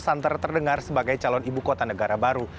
santer terdengar sebagai calon ibu kota negara baru